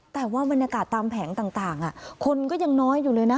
แต่ว่าบรรยากาศตามแผงต่างคนก็ยังน้อยอยู่เลยนะ